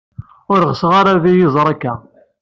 Ur ɣseɣ ara ad iyi-iẓer akka.